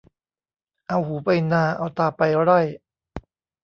เอาหูไปนา เอาตาไปไร่